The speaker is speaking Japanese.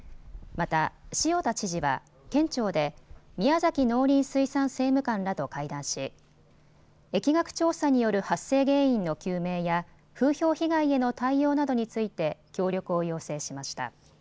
また、塩田知事は県庁で宮崎農林水産政務官らと会談し疫学調査による発生原因の究明や風評被害への対応などについて協力を要請しました。